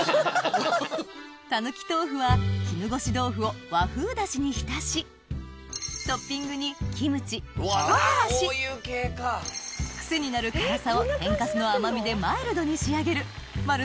たぬき豆腐は絹ごし豆腐を和風ダシに浸しトッピングに癖になる辛さを天かすの甘みでマイルドに仕上げるＭＡＲＵ